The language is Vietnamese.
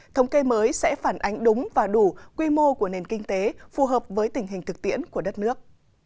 thống kê mới sẽ phản ánh đúng và đủ quy mô của nền kinh tế phù hợp với tình hình thực tiễn của đất nước